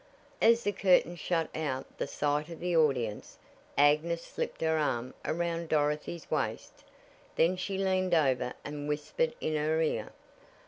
As the curtain shut out the sight of the audience, Agnes slipped her arm around Dorothy's waist. Then she leaned over and whispered in her ear.